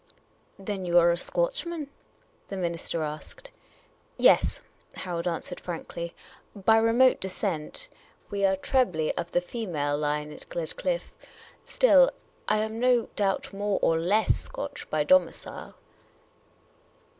" Then you are a Scotchman ?" the minister asked. " Yes," Harold answered frankly ;" by remote descent. We are trebly of the female line at Gledcliffe ; still, I am no doubt more or less Scotch by domicile."